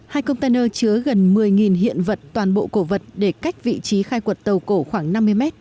hai container chứa gần một mươi hiện vật toàn bộ cổ vật để cách vị trí khai quật tàu cổ khoảng năm mươi mét